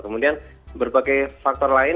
kemudian berbagai faktor lain